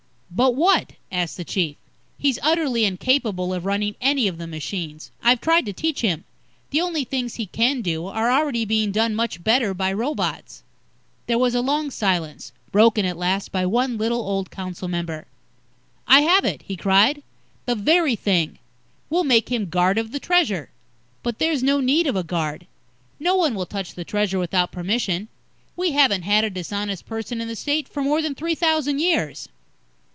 "But what?" asked the Chief. "He's utterly incapable of running any of the machines. I've tried to teach him. The only things he can do, are already being done much better by robots." There was a long silence, broken at last by one little, old council member. "I have it," he cried. "The very thing. We'll make him guard of the Treasure." "But there's no need of a guard. No one will touch the Treasure without permission. We haven't had a dishonest person in the State for more than three thousand years."